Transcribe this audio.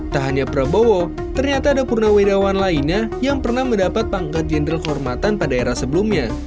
tak hanya prabowo ternyata ada purnawirawan lainnya yang pernah mendapat pangkat jenderal kehormatan pada era sebelumnya